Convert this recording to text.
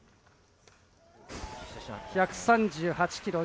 １３８キロ。